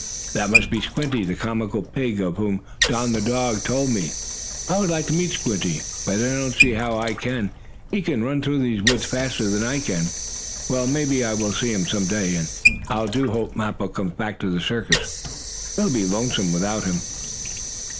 That must be Squinty, the comical pig, of whom Don, the dog, told me. I would like to meet Squinty, but I don't see how I can. He can run through these woods faster than I can. Well, maybe I will see him some day. And I do hope Mappo comes back to the circus. It will be lonesome without him."